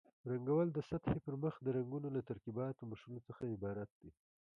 رنګول د سطحې پر مخ د رنګونو له ترکیباتو مښلو څخه عبارت دي.